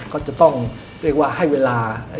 ก็จะต้องให้เวลา